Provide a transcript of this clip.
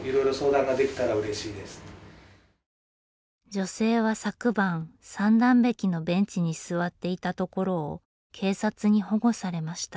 女性は昨晩三段壁のベンチに座っていたところを警察に保護されました。